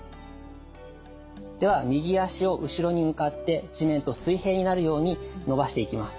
では右脚を後ろに向かって地面と水平になるように伸ばしていきます。